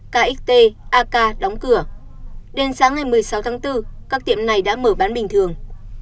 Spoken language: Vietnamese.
các tiệm vàng kxt ak đóng cửa đến sáng ngày một mươi sáu tháng bốn các tiệm này đã mở bán bình thường